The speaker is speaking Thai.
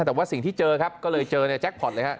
แต่ว่าสิ่งที่เจอก็เลยเจอแจ็คพอร์ตเลยครับ